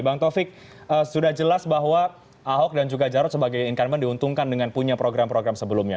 bang taufik sudah jelas bahwa ahok dan juga jarod sebagai incumbent diuntungkan dengan punya program program sebelumnya